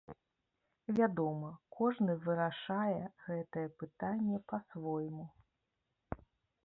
Вядома, кожны вырашае гэтае пытанне па-свойму.